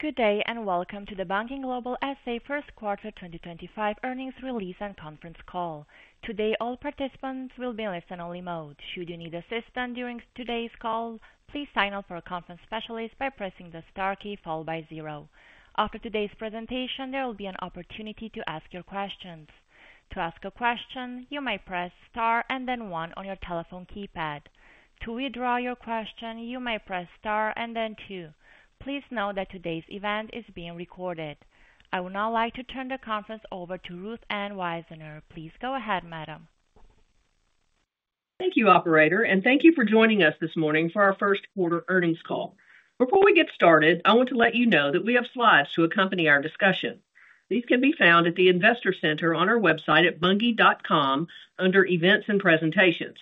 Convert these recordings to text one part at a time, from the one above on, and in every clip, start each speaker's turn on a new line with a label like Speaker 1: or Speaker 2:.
Speaker 1: Good day and welcome to the Bunge Global SA Q1 2025 Earnings Release and Conference Call. Today, all participants will be in listen-only mode. Should you need assistance during today's call, please sign up for a conference specialist by pressing the star key followed by zero. After today's presentation, there will be an opportunity to ask your questions. To ask a question, you may press star and then one on your telephone keypad. To withdraw your question, you may press star and then two. Please note that today's event is being recorded. I would now like to turn the conference over to Ruth Ann Wisener. Please go ahead, Madam.
Speaker 2: Thank you, Operator, and thank you for joining us this morning for our first quarter earnings call. Before we get started, I want to let you know that we have slides to accompany our discussion. These can be found at the Investor Center on our website at bunge.com under Events and Presentations.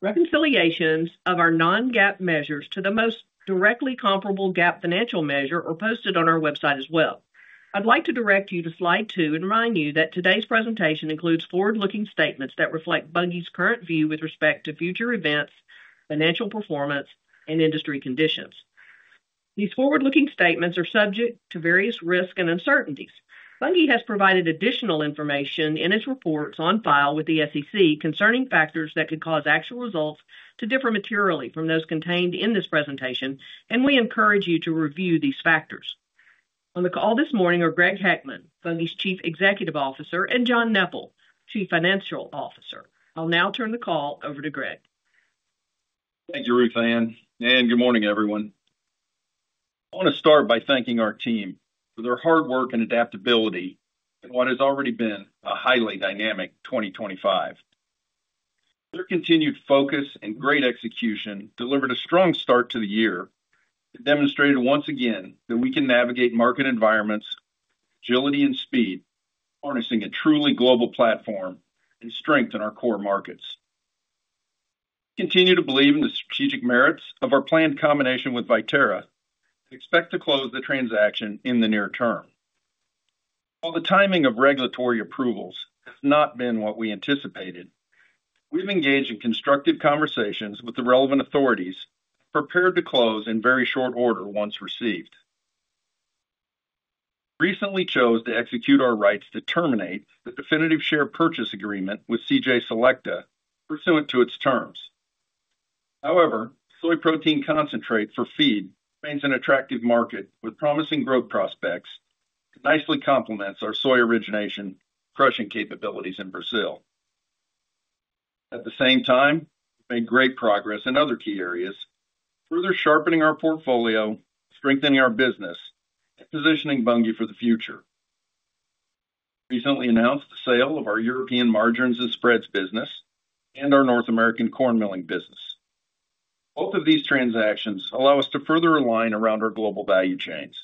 Speaker 2: Reconciliations of our non-GAAP measures to the most directly comparable GAAP financial measure are posted on our website as well. I'd like to direct you to slide two and remind you that today's presentation includes forward-looking statements that reflect Bunge's current view with respect to future events, financial performance, and industry conditions. These forward-looking statements are subject to various risks and uncertainties. Bunge has provided additional information in its reports on file with the SEC concerning factors that could cause actual results to differ materially from those contained in this presentation, and we encourage you to review these factors. On the call this morning are Greg Heckman, Bunge's Chief Executive Officer, and John Neppl, Chief Financial Officer. I'll now turn the call over to Greg.
Speaker 3: Thank you, Ruth Ann. Good morning, everyone. I want to start by thanking our team for their hard work and adaptability in what has already been a highly dynamic 2025. Their continued focus and great execution delivered a strong start to the year that demonstrated once again that we can navigate market environments, agility and speed, harnessing a truly global platform, and strengthen our core markets. We continue to believe in the strategic merits of our planned combination with Viterra and expect to close the transaction in the near term. While the timing of regulatory approvals has not been what we anticipated, we've engaged in constructive conversations with the relevant authorities and prepared to close in very short order once received. We recently chose to execute our rights to terminate the definitive share purchase agreement with CJ Selecta pursuant to its terms. However, soy protein concentrate for feed remains an attractive market with promising growth prospects and nicely complements our soy origination crushing capabilities in Brazil. At the same time, we've made great progress in other key areas, further sharpening our portfolio, strengthening our business, and positioning Bunge for the future. We recently announced the sale of our European margins and spreads business and our North American corn milling business. Both of these transactions allow us to further align around our global value chains.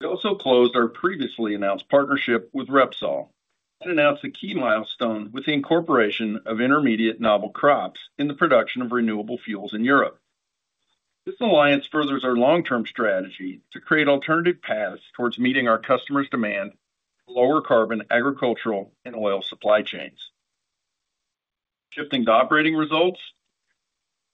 Speaker 3: We also closed our previously announced partnership with Repsol and announced a key milestone with the incorporation of intermediate novel crops in the production of renewable fuels in Europe. This alliance furthers our long-term strategy to create alternative paths towards meeting our customers' demand for lower-carbon agricultural and oil supply chains. Shifting to operating results,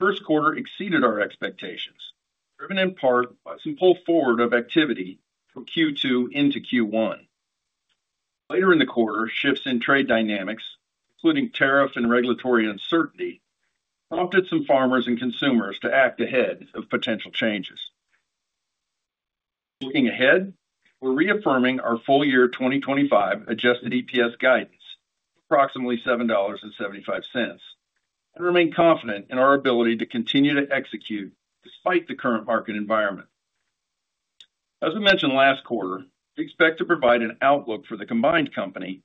Speaker 3: first quarter exceeded our expectations, driven in part by some pull forward of activity from Q2 into Q1. Later in the quarter, shifts in trade dynamics, including tariff and regulatory uncertainty, prompted some farmers and consumers to act ahead of potential changes. Looking ahead, we're reaffirming our full-year 2025 adjusted EPS guidance at approximately $7.75 and remain confident in our ability to continue to execute despite the current market environment. As we mentioned last quarter, we expect to provide an outlook for the combined company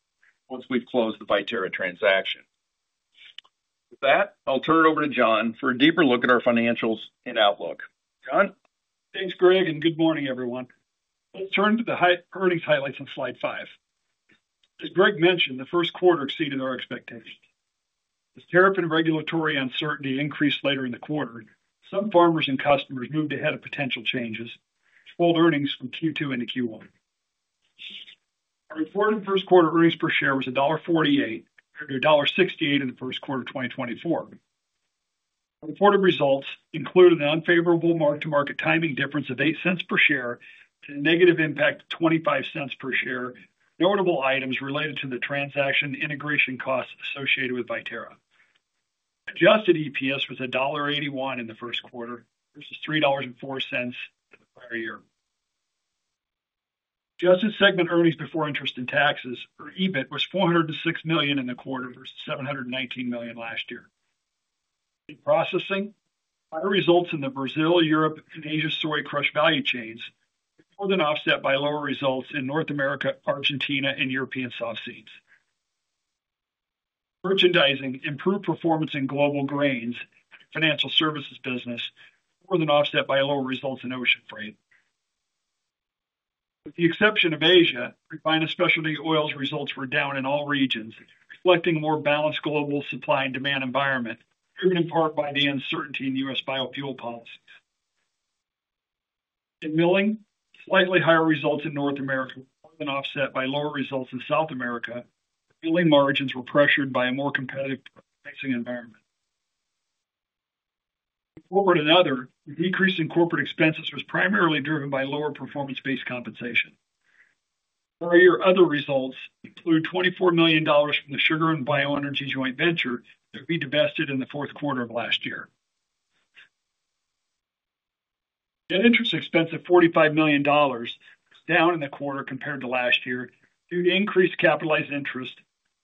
Speaker 3: once we've closed the Viterra transaction. With that, I'll turn it over to John for a deeper look at our financials and outlook. John?
Speaker 4: Thanks, Greg, and good morning, everyone. Let's turn to the earnings highlights on slide five. As Greg mentioned, first quarter exceeded our expectations. As tariff and regulatory uncertainty increased later in the quarter, some farmers and customers moved ahead of potential changes, which pulled earnings from Q2 into Q1. Our reported first quarter earnings per share was $1.48 compared to $1.68 in first quarter 2024. Our reported results included an unfavorable mark-to-market timing difference of $0.08 per share to a negative impact of $0.25 per share with notable items related to the transaction integration costs associated with Viterra. Adjusted EPS was $1.81 in the first quarter versus $3.04 the prior year. Adjusted segment earnings before interest and taxes, or EBIT, was $406 million in the quarter versus $719 million last year. In processing, higher results in the Brazil, Europe, and Asia soy crush value chains were more than offset by lower results in North America, Argentina, and European soft seeds. Merchandising improved performance in global grains and financial services business, more than offset by lower results in ocean freight. With the exception of Asia, refinement specialty oils results were down in all regions, reflecting a more balanced global supply and demand environment, driven in part by the uncertainty in U.S. biofuel policies. In milling, slightly higher results in North America were more than offset by lower results in South America, where milling margins were pressured by a more competitive pricing environment. Moving forward another, the decrease in corporate expenses was primarily driven by lower performance-based compensation. Prior year other results include $24 million from the sugar and bioenergy joint venture that would be divested in the fourth quarter of last year. Net interest expense of $45 million was down in the quarter compared to last year due to increased capitalized interest,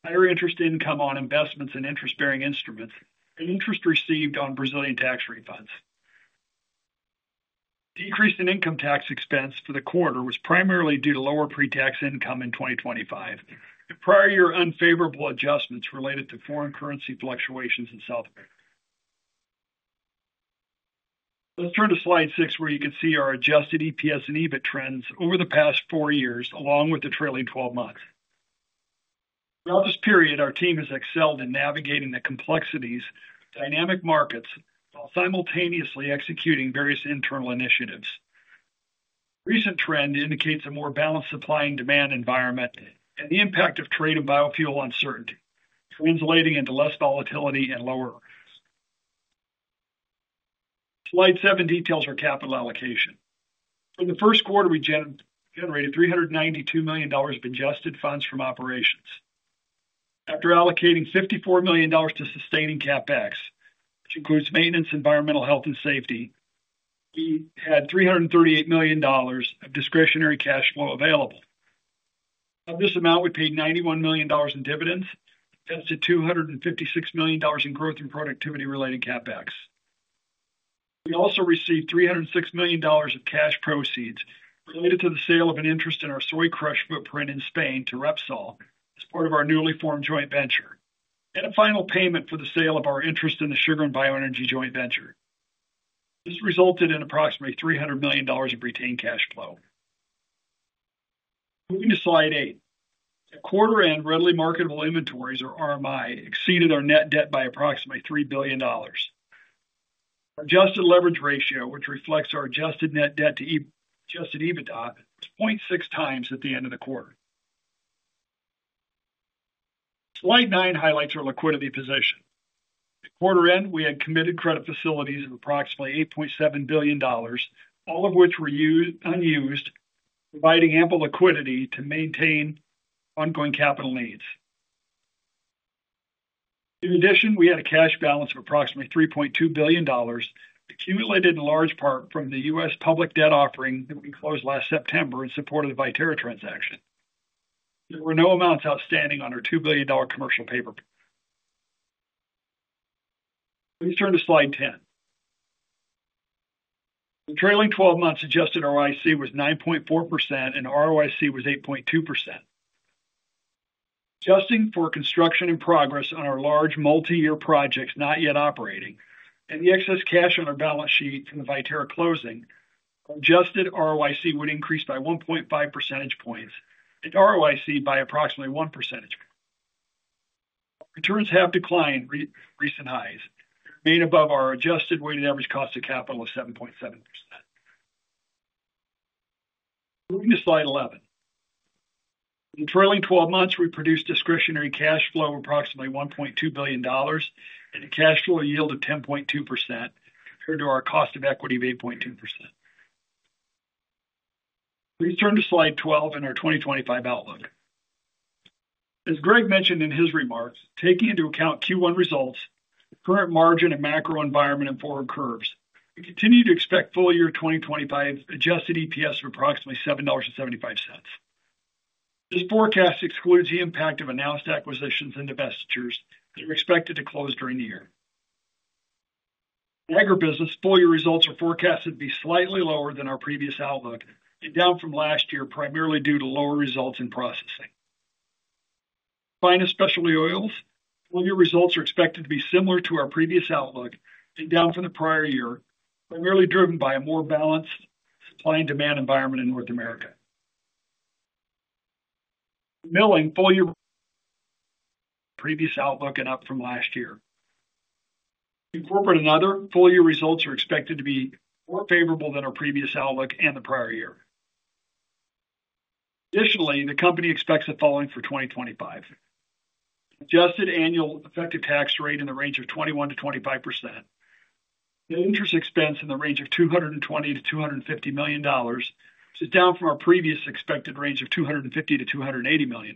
Speaker 4: higher interest income on investments in interest-bearing instruments, and interest received on Brazilian tax refunds. Decrease in income tax expense for the quarter was primarily due to lower pre-tax income in 2025 and prior year unfavorable adjustments related to foreign currency fluctuations in South America. Let's turn to slide six, where you can see our adjusted EPS and EBIT trends over the past four years, along with the trailing 12 months. Throughout this period, our team has excelled in navigating the complexities of dynamic markets while simultaneously executing various internal initiatives. Recent trend indicates a more balanced supply and demand environment and the impact of trade and biofuel uncertainty, translating into less volatility and lower earnings. Slide seven details our capital allocation. For the first quarter, we generated $392 million of adjusted funds from operations. After allocating $54 million to sustaining CapEx, which includes maintenance, environmental health, and safety, we had $338 million of discretionary cash flow available. Of this amount, we paid $91 million in dividends and invested $256 million in growth and productivity-related CapEx. We also received $306 million of cash proceeds related to the sale of an interest in our soy crush footprint in Spain to Repsol as part of our newly formed joint venture and a final payment for the sale of our interest in the sugar and bioenergy joint venture. This resulted in approximately $300 million of retained cash flow. Moving to slide eight, quarter end Readily Marketable Inventories, or RMI, exceeded our net debt by approximately $3 billion. Our adjusted leverage ratio, which reflects our adjusted net debt to adjusted EBITDA, was 0.6x at the end of the quarter. Slide nine highlights our liquidity position. At quarter end, we had committed credit facilities of approximately $8.7 billion, all of which were unused, providing ample liquidity to maintain ongoing capital needs. In addition, we had a cash balance of approximately $3.2 billion, accumulated in large part from the U.S. public debt offering that we closed last September in support of the Viterra transaction. There were no amounts outstanding on our $2 billion commercial paper bill. Let me turn to slide ten. The trailing 12 months adjusted ROIC was 9.4% and ROIC was 8.2%. Adjusting for construction in progress on our large multi-year projects not yet operating and the excess cash on our balance sheet from the Viterra closing, our adjusted ROIC would increase by 1.5 percentage points and ROIC by approximately 1 percentage point. Returns have declined from recent highs and remain above our adjusted weighted average cost of capital of 7.7%. Moving to slide eleven. In the trailing 12 months, we produced discretionary cash flow of approximately $1.2 billion and a cash flow yield of 10.2% compared to our cost of equity of 8.2%. Let me turn to slide twelve in our 2025 outlook. As Greg mentioned in his remarks, taking into account Q1 results, current margin, and macro environment in forward curves, we continue to expect Q2 2025 adjusted EPS of approximately $7.75. This forecast excludes the impact of announced acquisitions and divestitures that are expected to close during the year. In agribusiness, full-year results are forecast to be slightly lower than our previous outlook and down from last year, primarily due to lower results in processing. In refinement specialty oils, full-year results are expected to be similar to our previous outlook and down from the prior year, primarily driven by a more balanced supply and demand environment in North America. In milling, full-year results are expected to be lower than our previous outlook and up from last year. In corporate and other, full-year results are expected to be more favorable than our previous outlook and the prior year. Additionally, the company expects the following for 2025: an adjusted annual effective tax rate in the range of 21%-25%, net interest expense in the range of $220 million-$250 million, which is down from our previous expected range of $250 million-$280 million,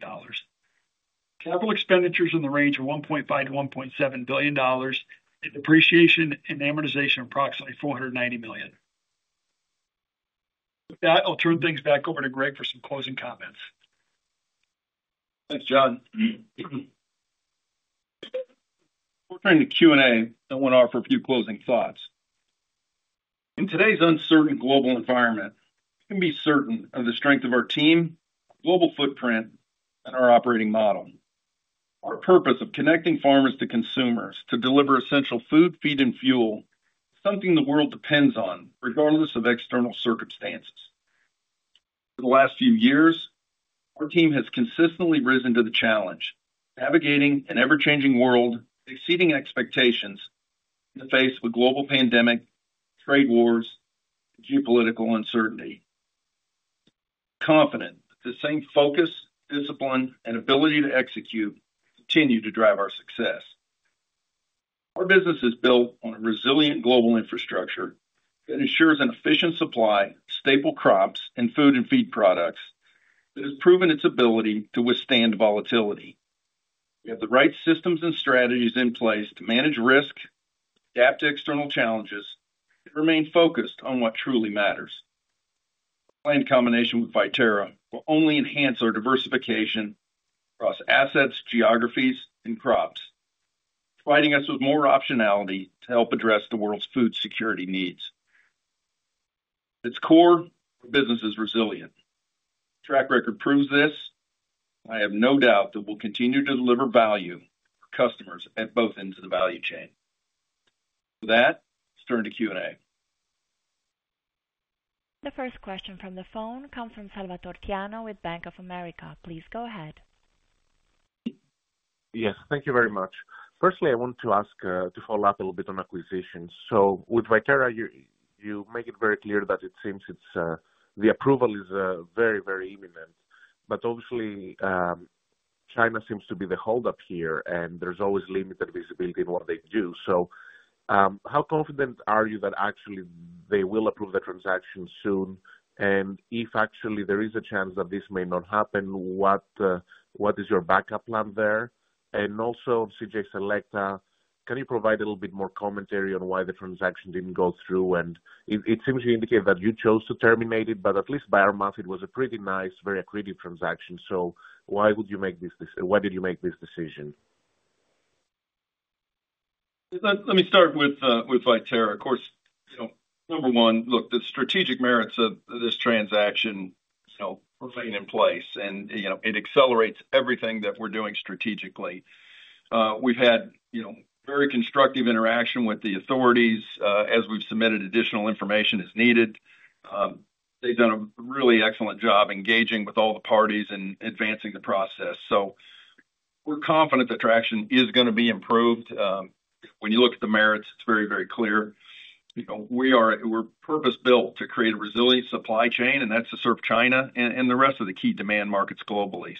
Speaker 4: capital expenditures in the range of $1.5 billion-$1.7 billion, and depreciation and amortization of approximately $490 million. With that, I'll turn things back over to Greg for some closing comments.
Speaker 3: Thanks, John. Before turning to Q&A, I want to offer a few closing thoughts. In today's uncertain global environment, we can be certain of the strength of our team, our global footprint, and our operating model. Our purpose of connecting farmers to consumers to deliver essential food, feed, and fuel is something the world depends on, regardless of external circumstances. Over the last few years, our team has consistently risen to the challenge, navigating an ever-changing world and exceeding expectations in the face of a global pandemic, trade wars, and geopolitical uncertainty. We are confident that the same focus, discipline, and ability to execute will continue to drive our success. Our business is built on a resilient global infrastructure that ensures an efficient supply of staple crops and food and feed products that has proven its ability to withstand volatility. We have the right systems and strategies in place to manage risk, adapt to external challenges, and remain focused on what truly matters. This planned combination with Viterra will only enhance our diversification across assets, geographies, and crops, providing us with more optionality to help address the world's food security needs. At its core, our business is resilient. Our track record proves this, and I have no doubt that we'll continue to deliver value for customers at both ends of the value chain. With that, let's turn to Q&A.
Speaker 1: The first question from the phone comes from Salvator Tiano with Bank of America. Please go ahead.
Speaker 5: Yes, thank you very much. Firstly, I wanted to ask to follow up a little bit on acquisitions. With Viterra, you make it very clear that it seems the approval is very, very imminent. Obviously, China seems to be the holdup here, and there's always limited visibility in what they do. How confident are you that actually they will approve the transaction soon? If actually there is a chance that this may not happen, what is your backup plan there? Also, CJ Selecta, can you provide a little bit more commentary on why the transaction didn't go through? It seems you indicated that you chose to terminate it, but at least by our mouth, it was a pretty nice, very accretive transaction. Why would you make this decision? Why did you make this decision?
Speaker 3: Let me start with Viterra. Of course, number one, look, the strategic merits of this transaction remain in place, and it accelerates everything that we're doing strategically. We've had very constructive interaction with the authorities as we've submitted additional information as needed. They've done a really excellent job engaging with all the parties and advancing the process. We are confident the traction is going to be improved. When you look at the merits, it's very, very clear. We're purpose-built to create a resilient supply chain, and that's to serve China and the rest of the key demand markets globally.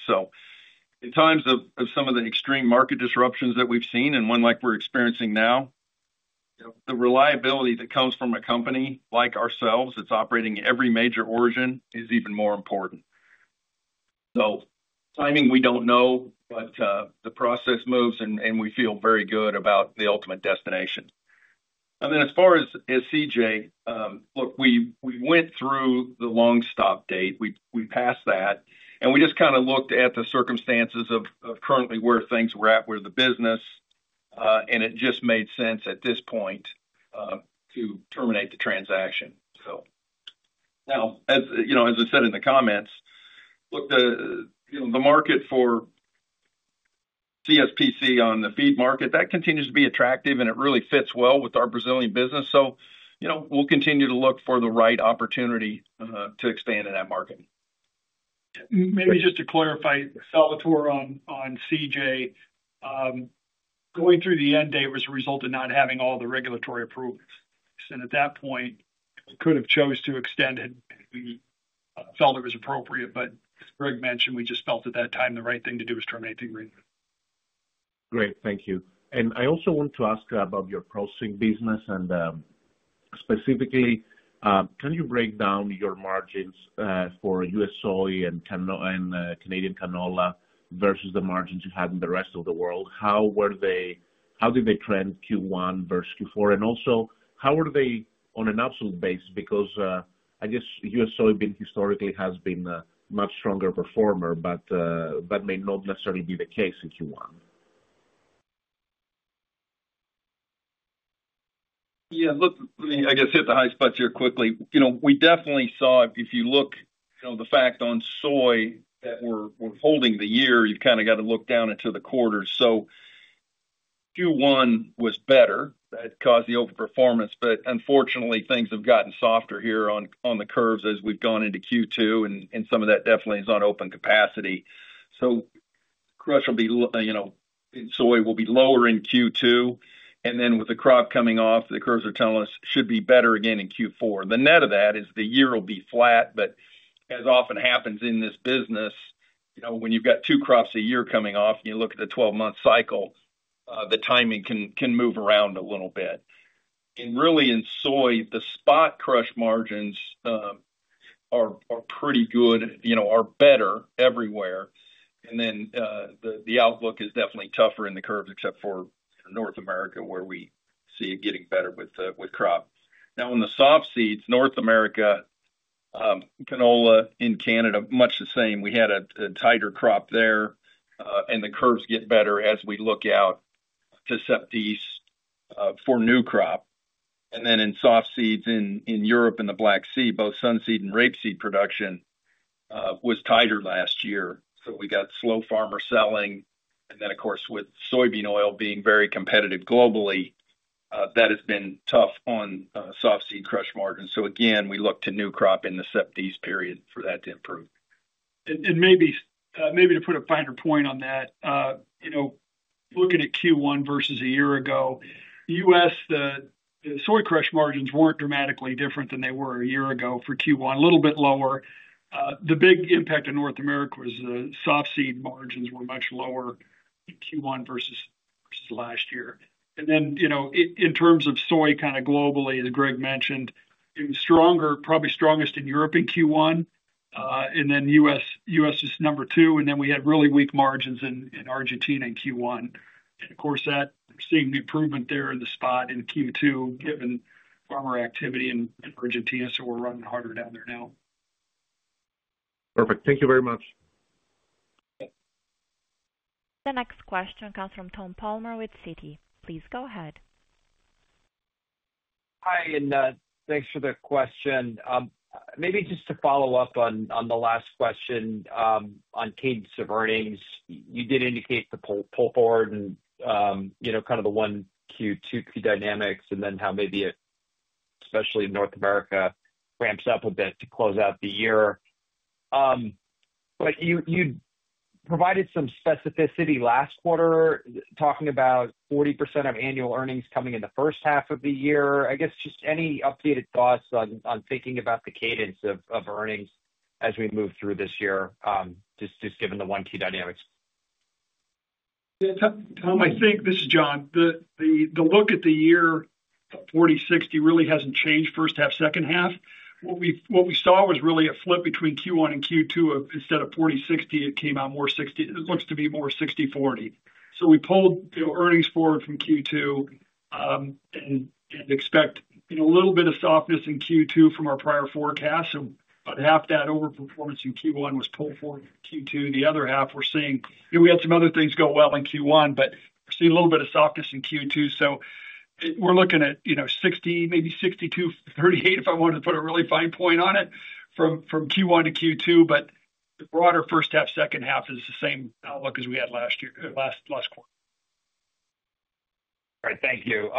Speaker 3: In times of some of the extreme market disruptions that we've seen, and one like we're experiencing now, the reliability that comes from a company like ourselves that's operating in every major origin is even more important. Timing, we don't know, but the process moves, and we feel very good about the ultimate destination. As far as CJ, look, we went through the long stop date. We passed that, and we just kind of looked at the circumstances of currently where things were at, where the business, and it just made sense at this point to terminate the transaction. As I said in the comments, look, the market for CSPC on the feed market, that continues to be attractive, and it really fits well with our Brazilian business. We'll continue to look for the right opportunity to expand in that market.
Speaker 4: Maybe just to clarify, Salvatore, on CJ, going through the end date was a result of not having all the regulatory approvals. At that point, we could have chosen to extend it if we felt it was appropriate. As Greg mentioned, we just felt at that time the right thing to do was terminate the agreement.
Speaker 5: Great. Thank you. I also want to ask about your processing business. Specifically, can you break down your margins for U.S. soy and Canadian canola versus the margins you had in the rest of the world? How did they trend Q1 versus Q4? Also, how were they on an absolute base? I guess U.S. soy historically has been a much stronger performer, but that may not necessarily be the case in Q1.
Speaker 3: Yeah. Look, let me, I guess, hit the high spots here quickly. We definitely saw, if you look at the fact on soy that we are holding the year, you have kind of got to look down into the quarters. Q1 was better. That caused the overperformance. Unfortunately, things have gotten softer here on the curves as we have gone into Q2, and some of that definitely is on open capacity. Crush will be in soy will be lower in Q2. With the crop coming off, the curves are telling us it should be better again in Q4. The net of that is the year will be flat. As often happens in this business, when you have two crops a year coming off, and you look at the 12-month cycle, the timing can move around a little bit. Really, in soy, the spot crush margins are pretty good, are better everywhere. The outlook is definitely tougher in the curves, except for North America, where we see it getting better with crop. In the soft seeds, North America, canola in Canada, much the same. We had a tighter crop there, and the curves get better as we look out to set these for new crop. In soft seeds in Europe and the Black Sea, both sunseed and rapeseed production was tighter last year. We got slow farmer selling. Of course, with soybean oil being very competitive globally, that has been tough on soft seed crush margins. We look to new crop in the set these period for that to improve.
Speaker 4: Maybe to put a finer point on that, looking at Q1 versus a year ago, the U.S. soy crush margins were not dramatically different than they were a year ago for Q1, a little bit lower. The big impact in North America was the soft seed margins were much lower in Q1 versus last year. In terms of soy kind of globally, as Greg mentioned, probably strongest in Europe in Q1, and then U.S. is number two. We had really weak margins in Argentina in Q1. Of course, we are seeing the improvement there in the spot in Q2, given farmer activity in Argentina. We are running harder down there now.
Speaker 5: Perfect. Thank you very much.
Speaker 1: The next question comes from Tom Palmer with Citi. Please go ahead.
Speaker 6: Hi, and thanks for the question. Maybe just to follow up on the last question on cadence of earnings, you did indicate the pull forward and kind of the one Q2, Q2 dynamics, and then how maybe it, especially in North America, ramps up a bit to close out the year. You provided some specificity last quarter, talking about 40% of annual earnings coming in the first half of the year. I guess just any updated thoughts on thinking about the cadence of earnings as we move through this year, just given the one Q dynamics?
Speaker 4: Yeah, Tom, I think this is John. The look at the year, 40/60, really hasn't changed first half, second half. What we saw was really a flip between Q1 and Q2. Instead of 40/60, it came out more 60. It looks to be more 60/40. We pulled earnings forward from Q2 and expect a little bit of softness in Q2 from our prior forecast. About half that overperformance in Q1 was pulled forward from Q2. The other half, we're seeing we had some other things go well in Q1, but we're seeing a little bit of softness in Q2. We're looking at 60, maybe 62, 38, if I wanted to put a really fine point on it, from Q1 to Q2. The broader first half, second half is the same outlook as we had last year, last quarter.
Speaker 6: All right. Thank you.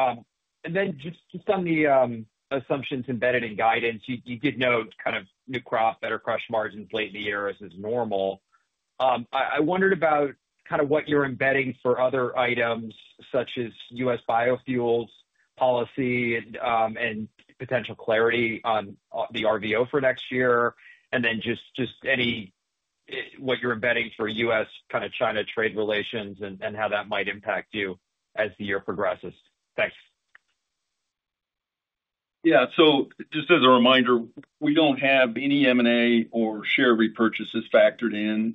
Speaker 6: Then, just on the assumptions embedded in guidance, you did note kind of new crop, better crush margins late in the year as is normal. I wondered about kind of what you're embedding for other items, such as U.S. biofuels policy and potential clarity on the RVO for next year, and then just what you're embedding for U.S. kind of China trade relations and how that might impact you as the year progresses. Thanks.
Speaker 3: Yeah. Just as a reminder, we do not have any M&A or share repurchases factored in,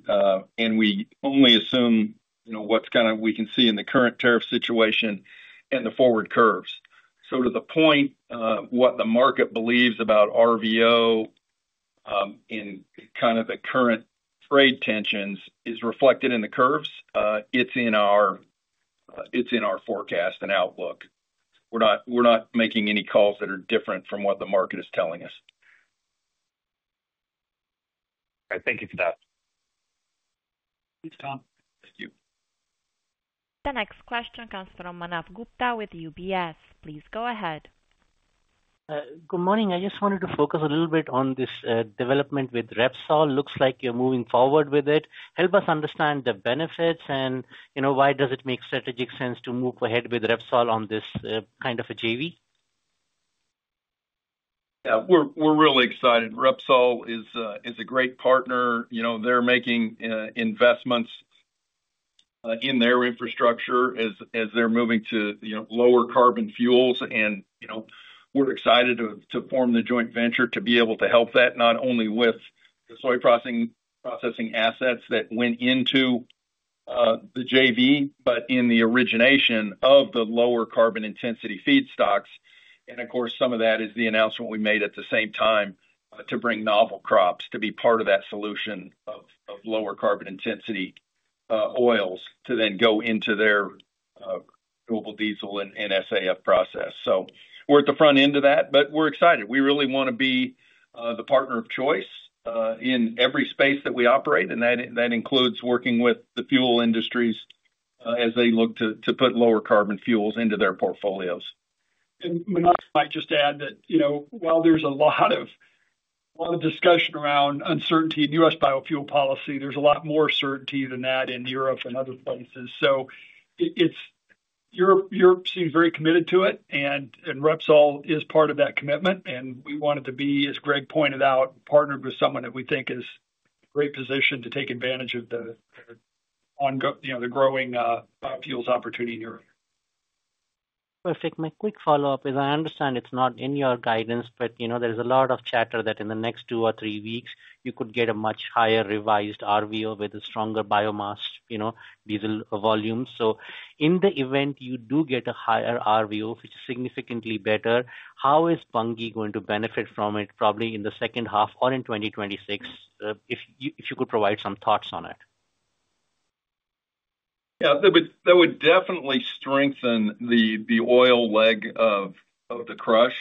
Speaker 3: and we only assume what is kind of what we can see in the current tariff situation and the forward curves. To the point, what the market believes about RVO in kind of the current trade tensions is reflected in the curves. It is in our forecast and outlook. We are not making any calls that are different from what the market is telling us.
Speaker 6: All right. Thank you for that.
Speaker 4: Thanks, Tom.
Speaker 3: Thank you.
Speaker 1: The next question comes from Manav Gupta with UBS. Please go ahead.
Speaker 7: Good morning. I just wanted to focus a little bit on this development with Repsol. Looks like you're moving forward with it. Help us understand the benefits and why does it make strategic sense to move ahead with Repsol on this kind of a JV?
Speaker 3: Yeah. We're really excited. Repsol is a great partner. They're making investments in their infrastructure as they're moving to lower carbon fuels. We're excited to form the joint venture to be able to help that, not only with the soy processing assets that went into the JV, but in the origination of the lower carbon intensity feed stocks. Of course, some of that is the announcement we made at the same time to bring novel crops to be part of that solution of lower carbon intensity oils to then go into their renewable diesel and SAF process. We're at the front end of that, but we're excited. We really want to be the partner of choice in every space that we operate. That includes working with the fuel industries as they look to put lower carbon fuels into their portfolios.
Speaker 4: Manav might just add that while there's a lot of discussion around uncertainty in U.S. biofuel policy, there's a lot more certainty than that in Europe and other places. Europe seems very committed to it, and Repsol is part of that commitment. We wanted to be, as Greg pointed out, partnered with someone that we think is in a great position to take advantage of the growing biofuels opportunity in Europe.
Speaker 7: Perfect. My quick follow-up is, I understand it's not in your guidance, but there's a lot of chatter that in the next two or three weeks, you could get a much higher revised RVO with a stronger biomass diesel volume. In the event you do get a higher RVO, which is significantly better, how is Bunge going to benefit from it, probably in the second half or in 2026, if you could provide some thoughts on it?
Speaker 3: Yeah. That would definitely strengthen the oil leg of the crush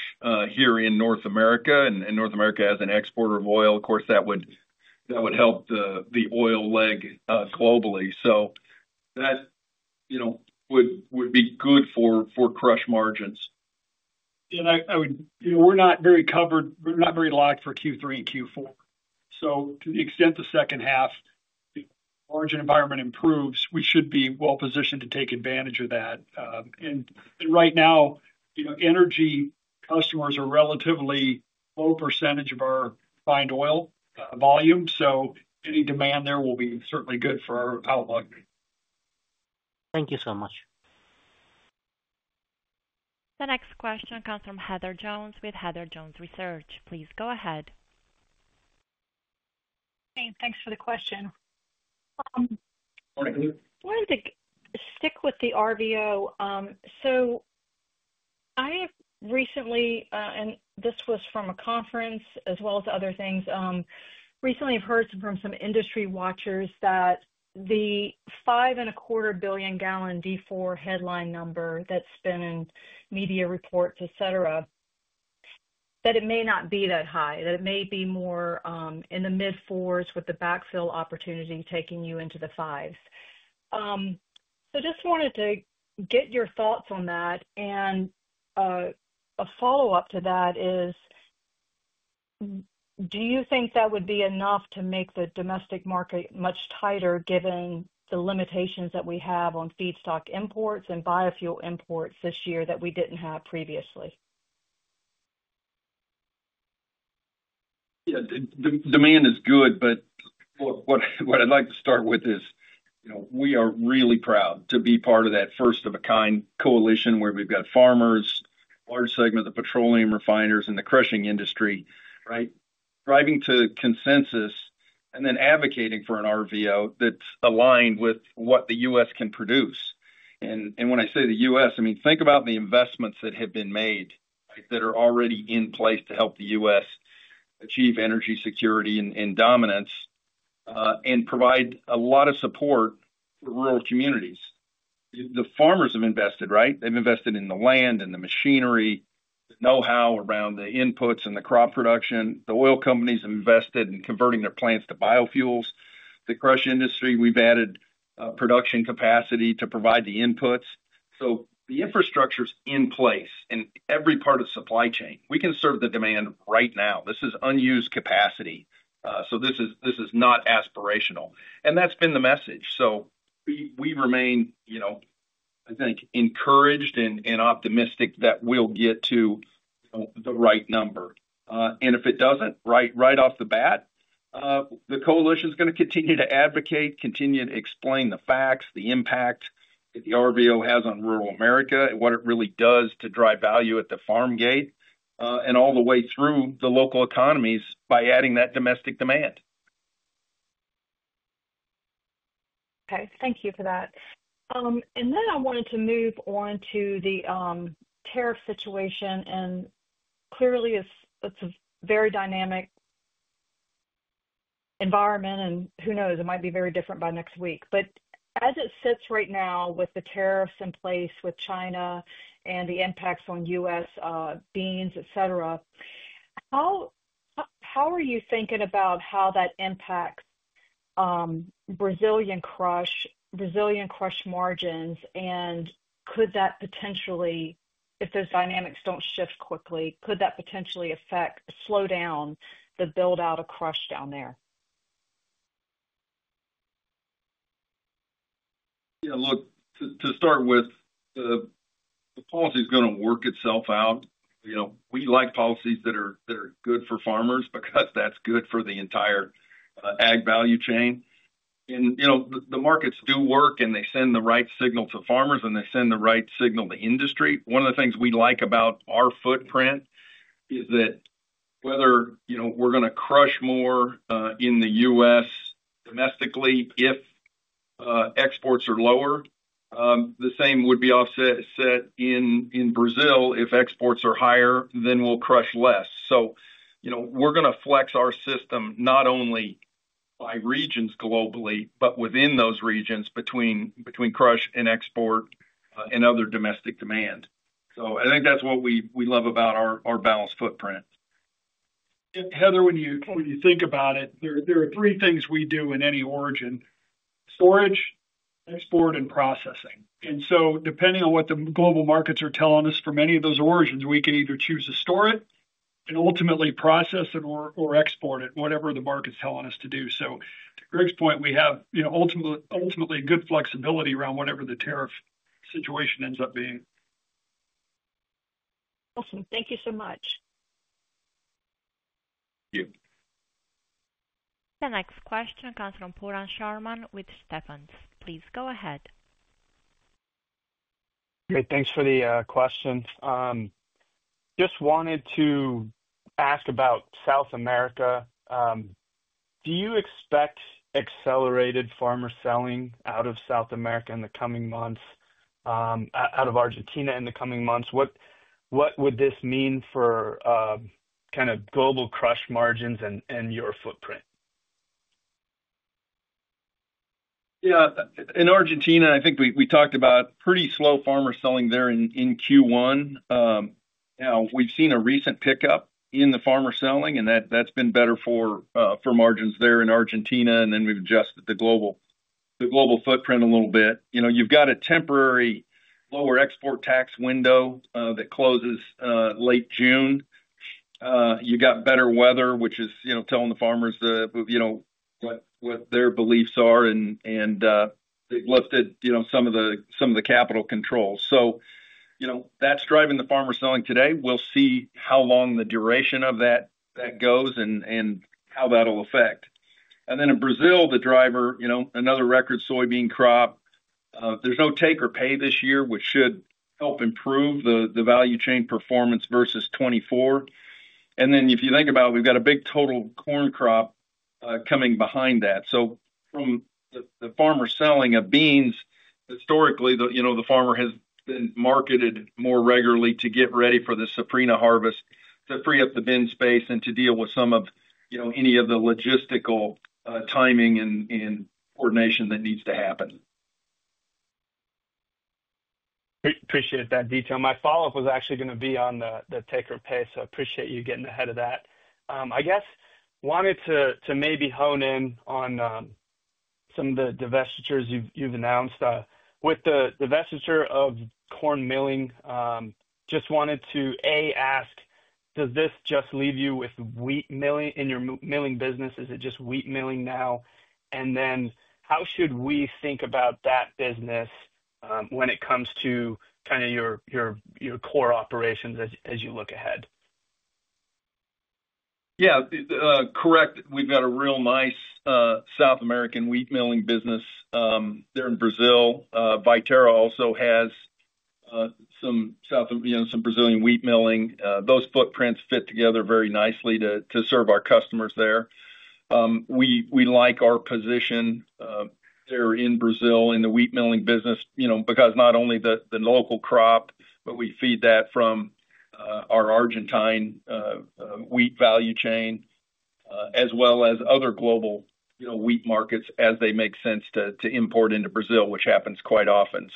Speaker 3: here in North America. North America has an exporter of oil. Of course, that would help the oil leg globally. That would be good for crush margins.
Speaker 4: Yeah. We're not very covered. We're not very locked for Q3 and Q4. To the extent the second half, the margin environment improves, we should be well-positioned to take advantage of that. Right now, energy customers are a relatively low percentage of our combined oil volume. Any demand there will be certainly good for our outlook.
Speaker 7: Thank you so much.
Speaker 1: The next question comes from Heather Jones with Heather Jones Research. Please go ahead.
Speaker 8: Hey, thanks for the question.
Speaker 3: Good morning.
Speaker 8: Stick with the RVO. I have recently, and this was from a conference as well as other things, recently I've heard from some industry watchers that the five and a quarter billion gallon D4 headline number that's been in media reports, etc., that it may not be that high, that it may be more in the mid-fours with the backfill opportunity taking you into the fives. Just wanted to get your thoughts on that. A follow-up to that is, do you think that would be enough to make the domestic market much tighter given the limitations that we have on feedstock imports and biofuel imports this year that we didn't have previously?
Speaker 3: Yeah. Demand is good, but what I'd like to start with is, we are really proud to be part of that first-of-a-kind coalition where we've got farmers, a large segment of the petroleum refiners, and the crushing industry, right, driving to consensus and then advocating for an RVO that's aligned with what the U.S. can produce. When I say the U.S., I mean, think about the investments that have been made that are already in place to help the U.S. achieve energy security and dominance and provide a lot of support for rural communities. The farmers have invested, right? They've invested in the land, in the machinery, the know-how around the inputs and the crop production. The oil companies have invested in converting their plants to biofuels. The crush industry, we've added production capacity to provide the inputs. The infrastructure's in place in every part of the supply chain. We can serve the demand right now. This is unused capacity. This is not aspirational. That has been the message. We remain, I think, encouraged and optimistic that we will get to the right number. If it does not, right off the bat, the coalition is going to continue to advocate, continue to explain the facts, the impact that the RVO has on rural America, and what it really does to drive value at the farm gate, and all the way through the local economies by adding that domestic demand.
Speaker 8: Okay. Thank you for that. I wanted to move on to the tariff situation. Clearly, it's a very dynamic environment. Who knows? It might be very different by next week. As it sits right now with the tariffs in place with China and the impacts on U.S. beans, etc., how are you thinking about how that impacts Brazilian crush margins? Could that potentially, if those dynamics don't shift quickly, affect or slow down the build-out of crush down there?
Speaker 3: Yeah. Look, to start with, the policy is going to work itself out. We like policies that are good for farmers because that's good for the entire ag value chain. The markets do work, and they send the right signal to farmers, and they send the right signal to industry. One of the things we like about our footprint is that whether we're going to crush more in the U.S. domestically, if exports are lower, the same would be offset in Brazil. If exports are higher, we'll crush less. We are going to flex our system not only by regions globally, but within those regions between crush and export and other domestic demand. I think that's what we love about our balanced footprint.
Speaker 4: Yeah. Heather, when you think about it, there are three things we do in any origin: storage, export, and processing. Depending on what the global markets are telling us from any of those origins, we can either choose to store it and ultimately process it or export it, whatever the market's telling us to do. To Greg's point, we have ultimately good flexibility around whatever the tariff situation ends up being.
Speaker 8: Awesome. Thank you so much.
Speaker 3: Thank you.
Speaker 1: The next question comes from Pooran Sharma with Stephens. Please go ahead.
Speaker 9: Great. Thanks for the question. Just wanted to ask about South America. Do you expect accelerated farmer selling out of South America in the coming months, out of Argentina in the coming months? What would this mean for kind of global crush margins and your footprint?
Speaker 3: Yeah. In Argentina, I think we talked about pretty slow farmer selling there in Q1. Now, we've seen a recent pickup in the farmer selling, and that's been better for margins there in Argentina. We've adjusted the global footprint a little bit. You've got a temporary lower export tax window that closes late June. You've got better weather, which is telling the farmers what their beliefs are, and they've lifted some of the capital controls. That's driving the farmer selling today. We'll see how long the duration of that goes and how that'll affect. In Brazil, the driver, another record soybean crop. There's no take or pay this year, which should help improve the value chain performance versus 2024. If you think about it, we've got a big total corn crop coming behind that. From the farmer selling of beans, historically, the farmer has been marketed more regularly to get ready for the Safrinha harvest to free up the bin space and to deal with some of any of the logistical timing and coordination that needs to happen.
Speaker 9: Appreciate that detail. My follow-up was actually going to be on the take or pay. Appreciate you getting ahead of that. I guess wanted to maybe hone in on some of the divestitures you've announced. With the divestiture of corn milling, just wanted to, A, ask, does this just leave you with wheat milling in your milling business? Is it just wheat milling now? How should we think about that business when it comes to kind of your core operations as you look ahead?
Speaker 3: Yeah. Correct. We've got a real nice South American wheat milling business there in Brazil. Viterra also has some Brazilian wheat milling. Those footprints fit together very nicely to serve our customers there. We like our position there in Brazil in the wheat milling business because not only the local crop, but we feed that from our Argentine wheat value chain as well as other global wheat markets as they make sense to import into Brazil, which happens quite often.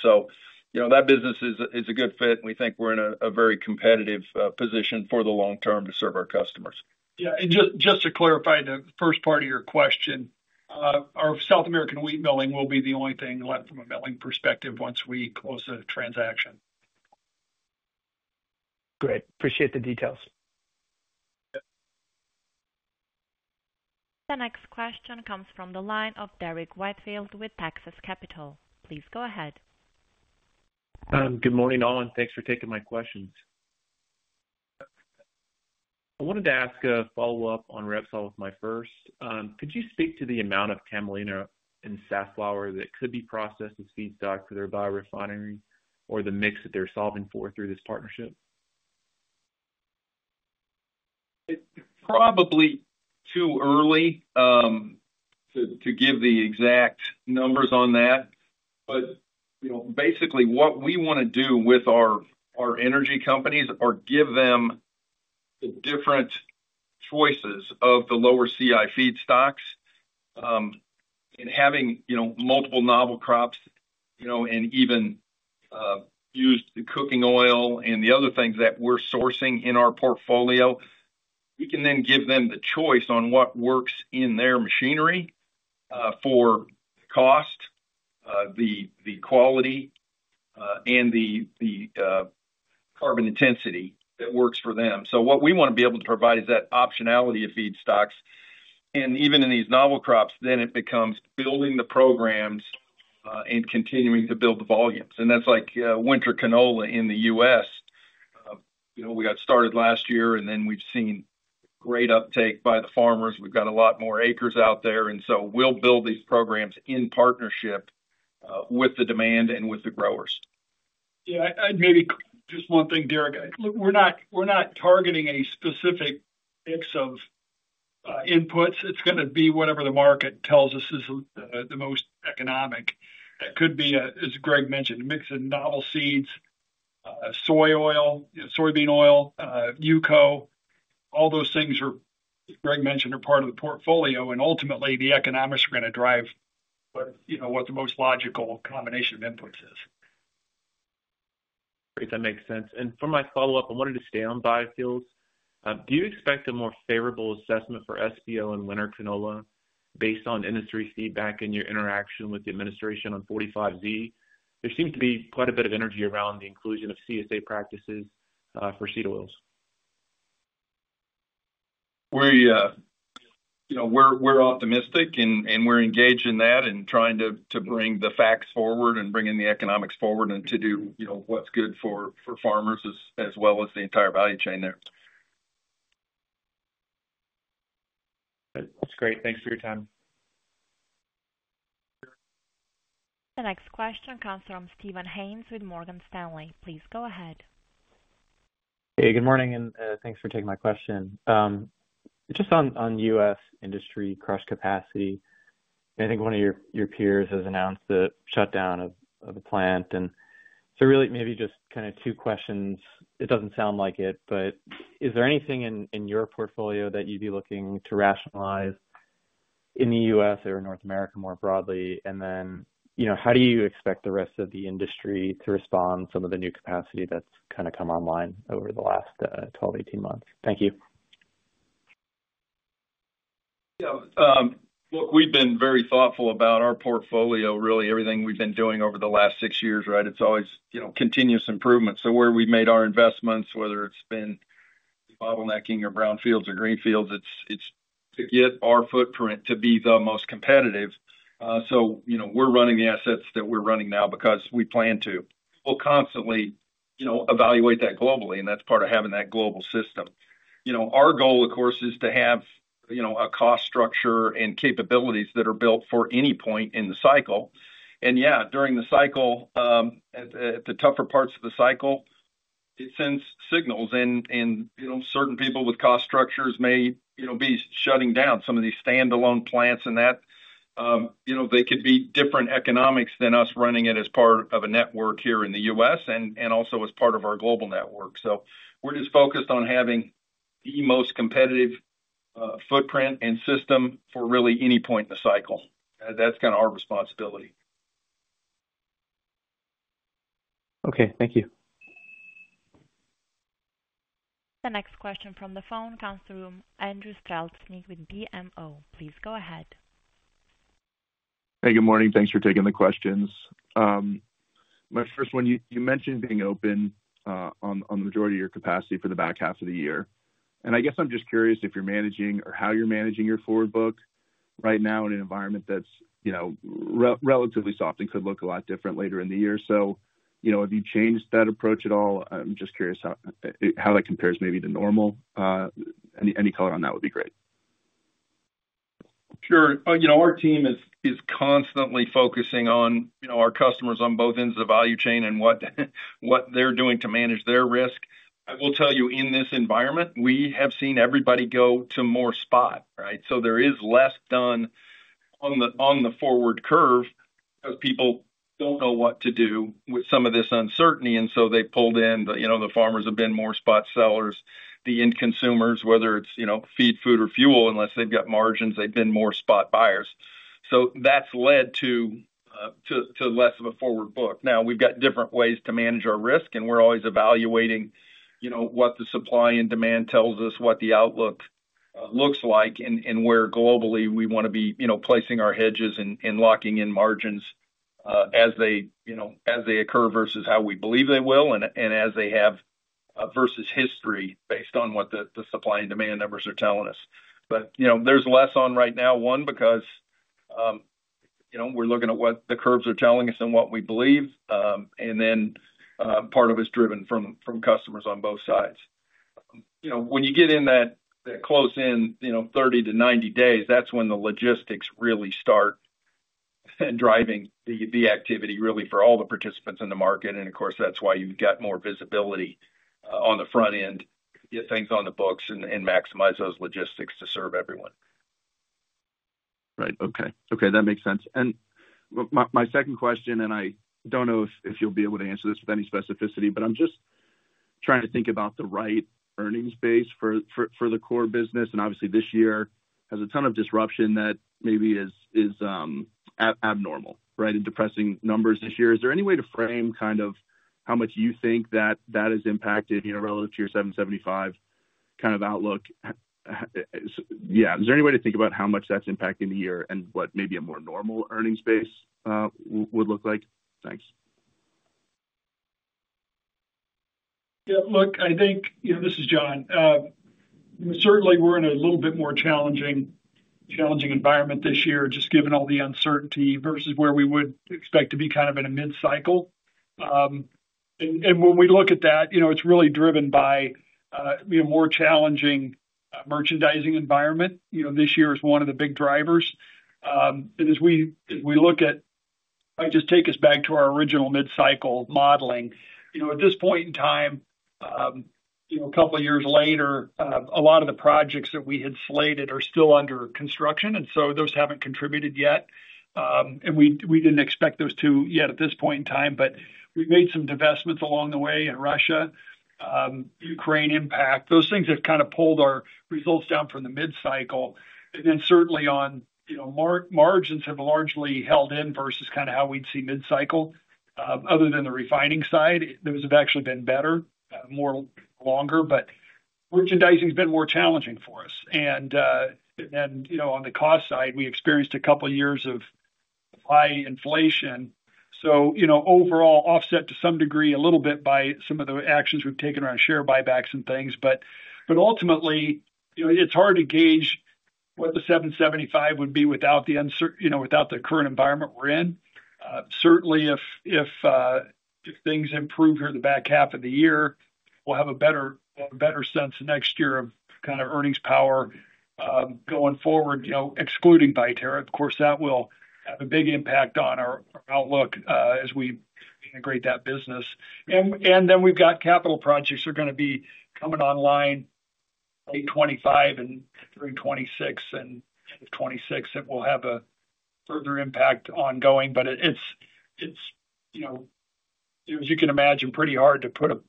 Speaker 3: That business is a good fit. We think we're in a very competitive position for the long term to serve our customers.
Speaker 4: Yeah. Just to clarify the first part of your question, our South American wheat milling will be the only thing left from a milling perspective once we close the transaction.
Speaker 9: Great. Appreciate the details.
Speaker 1: The next question comes from the line of Derrick Whitfield with Texas Capital. Please go ahead.
Speaker 10: Good morning, Allen. Thanks for taking my questions. I wanted to ask a follow-up on Repsol with my first. Could you speak to the amount of camelina and safflower that could be processed as feedstock for their biorefinery or the mix that they're solving for through this partnership?
Speaker 3: It's probably too early to give the exact numbers on that. Basically, what we want to do with our energy companies are give them the different choices of the lower CI feedstocks. Having multiple novel crops and even used cooking oil and the other things that we're sourcing in our portfolio, we can then give them the choice on what works in their machinery for the cost, the quality, and the carbon intensity that works for them. What we want to be able to provide is that optionality of feedstocks. Even in these novel crops, then it becomes building the programs and continuing to build the volumes. That's like winter canola in the U.S. We got started last year, and then we've seen great uptake by the farmers. We've got a lot more acres out there. We'll build these programs in partnership with the demand and with the growers.
Speaker 4: Yeah. Maybe just one thing, Derrick. We're not targeting a specific mix of inputs. It's going to be whatever the market tells us is the most economic. That could be, as Greg mentioned, a mix of novel seeds, soy oil, soybean oil, Yuko. All those things Greg mentioned are part of the portfolio. Ultimately, the economics are going to drive what the most logical combination of inputs is.
Speaker 10: Great. That makes sense. For my follow-up, I wanted to stay on biofuels. Do you expect a more favorable assessment for SPO and winter canola based on industry feedback and your interaction with the administration on 45Z? There seems to be quite a bit of energy around the inclusion of CSA practices for seed oils.
Speaker 3: We're optimistic, and we're engaged in that and trying to bring the facts forward and bringing the economics forward and to do what's good for farmers as well as the entire value chain there.
Speaker 10: That's great. Thanks for your time.
Speaker 1: The next question comes from Steven Haynes with Morgan Stanley. Please go ahead.
Speaker 11: Hey, good morning, and thanks for taking my question. Just on U.S. industry crush capacity, I think one of your peers has announced the shutdown of the plant. Really, maybe just kind of two questions. It does not sound like it, but is there anything in your portfolio that you would be looking to rationalize in the U.S. or North America more broadly? How do you expect the rest of the industry to respond to some of the new capacity that has kind of come online over the last 12-18 months? Thank you.
Speaker 3: Yeah. Look, we've been very thoughtful about our portfolio, really. Everything we've been doing over the last six years, right, it's always continuous improvement. Where we've made our investments, whether it's been bottlenecking or brown fields or green fields, it's to get our footprint to be the most competitive. We're running the assets that we're running now because we plan to. We'll constantly evaluate that globally, and that's part of having that global system. Our goal, of course, is to have a cost structure and capabilities that are built for any point in the cycle. Yeah, during the cycle, at the tougher parts of the cycle, it sends signals. Certain people with cost structures may be shutting down some of these standalone plants and that. They could be different economics than us running it as part of a network here in the U.S. and also as part of our global network. We are just focused on having the most competitive footprint and system for really any point in the cycle. That is kind of our responsibility.
Speaker 11: Okay. Thank you.
Speaker 1: The next question from the phone comes through Andrew Strelzik with BMO. Please go ahead.
Speaker 12: Hey, good morning. Thanks for taking the questions. My first one, you mentioned being open on the majority of your capacity for the back half of the year. I'm just curious if you're managing or how you're managing your forward book right now in an environment that's relatively soft and could look a lot different later in the year. Have you changed that approach at all? I'm just curious how that compares maybe to normal. Any color on that would be great.
Speaker 3: Sure. Our team is constantly focusing on our customers on both ends of the value chain and what they're doing to manage their risk. I will tell you, in this environment, we have seen everybody go to more spot, right? There is less done on the forward curve because people don't know what to do with some of this uncertainty. They pulled in, the farmers have been more spot sellers. The end consumers, whether it's feed, food, or fuel, unless they've got margins, they've been more spot buyers. That has led to less of a forward book. Now, we've got different ways to manage our risk, and we're always evaluating what the supply and demand tells us, what the outlook looks like, and where globally we want to be placing our hedges and locking in margins as they occur versus how we believe they will and as they have versus history based on what the supply and demand numbers are telling us. There is less on right now, one, because we're looking at what the curves are telling us and what we believe. Part of it is driven from customers on both sides. When you get in that close in 30-90 days, that's when the logistics really start driving the activity really for all the participants in the market. Of course, that's why you've got more visibility on the front end to get things on the books and maximize those logistics to serve everyone.
Speaker 12: Right. Okay. Okay. That makes sense. My second question, and I do not know if you will be able to answer this with any specificity, but I am just trying to think about the right earnings base for the core business. Obviously, this year has a ton of disruption that maybe is abnormal, right, and depressing numbers this year. Is there any way to frame kind of how much you think that that has impacted relative to your $775 million kind of outlook? Yeah. Is there any way to think about how much that is impacting the year and what maybe a more normal earnings base would look like? Thanks.
Speaker 4: Yeah. Look, I think, this is John. Certainly, we're in a little bit more challenging environment this year just given all the uncertainty versus where we would expect to be kind of in a mid-cycle. When we look at that, it's really driven by a more challenging merchandising environment. This year is one of the big drivers. As we look at, if I just take us back to our original mid-cycle modeling, at this point in time, a couple of years later, a lot of the projects that we had slated are still under construction. Those haven't contributed yet. We didn't expect those to yet at this point in time. We made some divestments along the way in Russia, Ukraine impact. Those things have kind of pulled our results down from the mid-cycle. Margins have largely held in versus kind of how we'd see mid-cycle. Other than the refining side, those have actually been better, more longer. Merchandising has been more challenging for us. On the cost side, we experienced a couple of years of high inflation. Overall, offset to some degree a little bit by some of the actions we've taken around share buybacks and things. Ultimately, it's hard to gauge what the $775 million would be without the current environment we're in. Certainly, if things improve here the back half of the year, we'll have a better sense next year of kind of earnings power going forward, excluding Viterra. Of course, that will have a big impact on our outlook as we integrate that business. We have capital projects that are going to be coming online late 2025 and through 2026. End of 2026, it will have a further impact ongoing. As you can imagine, pretty hard to put a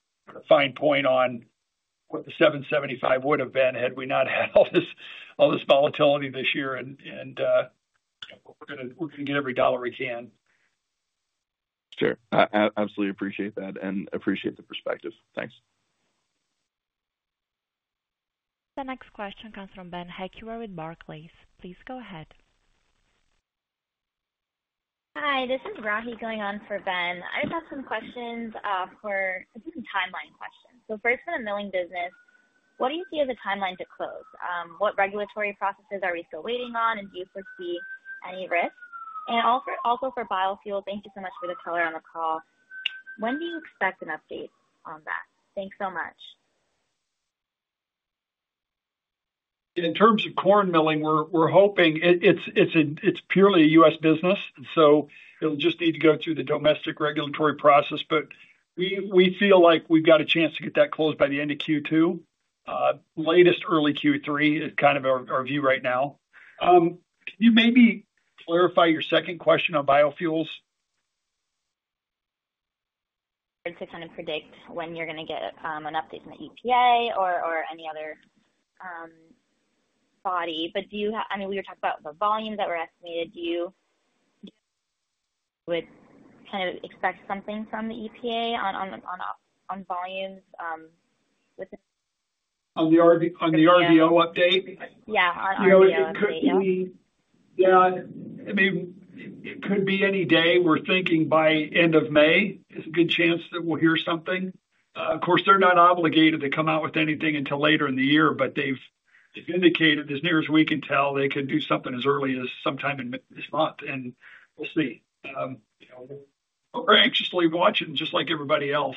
Speaker 4: fine point on what the $775 million would have been had we not had all this volatility this year. We are going to get every dollar we can.
Speaker 12: Sure. Absolutely appreciate that and appreciate the perspective. Thanks.
Speaker 1: The next question comes from Ben Heckler with Barclays. Please go ahead. Hi. This is Rohi going on for Ben. I just have some questions for some timeline questions. For the milling business, what do you see as a timeline to close? What regulatory processes are we still waiting on, and do you foresee any risk? Also for biofuel, thank you so much for the color on the call. When do you expect an update on that? Thanks so much.
Speaker 4: In terms of corn milling, we're hoping it's purely a U.S. business. It will just need to go through the domestic regulatory process. We feel like we've got a chance to get that closed by the end of Q2. Latest, early Q3 is kind of our view right now. Can you maybe clarify your second question on biofuels? To kind of predict when you're going to get an update from the EPA or any other body. Do you have—I mean, we were talking about the volumes that were estimated. Do you kind of expect something from the EPA on volumes within? On the RVO update? Yeah. On RVO. Yeah. Yeah. I mean, it could be any day. We're thinking by end of May is a good chance that we'll hear something. Of course, they're not obligated to come out with anything until later in the year, but they've indicated as near as we can tell, they could do something as early as sometime in this month. We'll see. We're anxiously watching just like everybody else.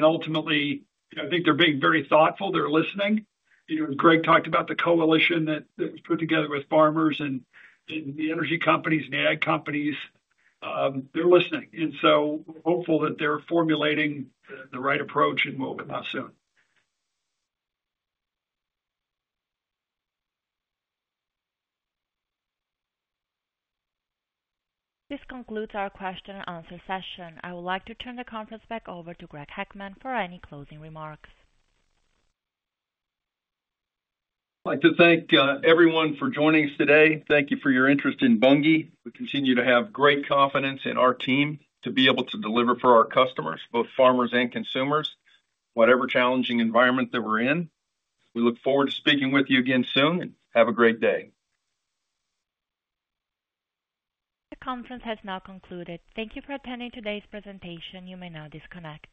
Speaker 4: Ultimately, I think they're being very thoughtful. They're listening. As Greg talked about, the coalition that was put together with farmers and the energy companies and the AG companies, they're listening. We're hopeful that they're formulating the right approach, and will come out soon.
Speaker 1: This concludes our question and answer session. I would like to turn the conference back over to Greg Heckman for any closing remarks.
Speaker 3: I'd like to thank everyone for joining us today. Thank you for your interest in Bunge. We continue to have great confidence in our team to be able to deliver for our customers, both farmers and consumers, whatever challenging environment that we're in. We look forward to speaking with you again soon, and have a great day.
Speaker 1: The conference has now concluded. Thank you for attending today's presentation. You may now disconnect.